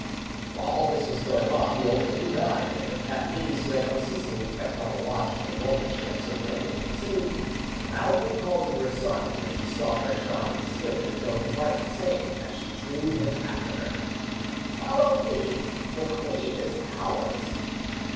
While all this was going on, the old king died, and the Catanese, who had unceasingly kept on the watch for the moment she had so plainly foreseen, loudly called to her son, when she saw Bertrand slip into Joan's apartment, saying as she drew him after her— "Follow me, the queen is ours."